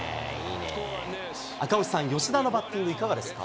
赤星さん、吉田のバッティングいかがですか。